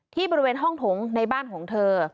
ที่บริเวณห้องถงในบ้านของเธอ